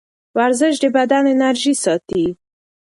ورزش د بدن انرژي ساتي.